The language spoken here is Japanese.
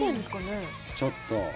ちょっと。